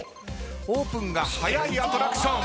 オープンが早いアトラクション。